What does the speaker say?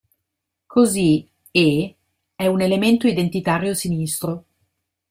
Così "e" è un elemento identitario sinistro.